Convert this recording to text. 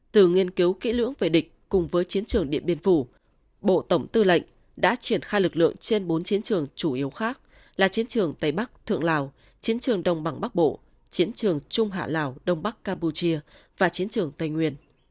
từ nghiên cứu kỹ lưỡng về địch cùng với chiến trường điện biên phủ bộ tổng tư lệnh đã triển khai lực lượng trên bốn chiến trường chủ yếu khác là chiến trường tây bắc thượng lào chiến trường đông bằng bắc bộ chiến trường trung hạ lào đông bắc campuchia và chiến trường tây nguyên